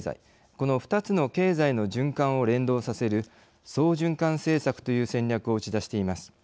この２つの経済の循環を連動させる双循環政策という戦略を打ち出しています。